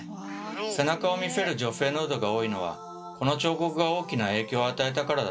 背中を見せる女性ヌードが多いのはこの彫刻が大きな影響を与えたからだといわれています。